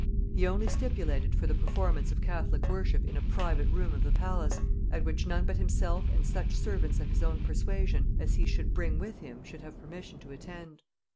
He only stipulated for the performance of Catholic worship in a private room of the palace, at which none but himself and such servants of his own persuasion as he should bring with him should have permission to attend.